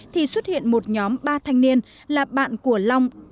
thì xuất hiện một nhóm ba thanh niên là bạn của long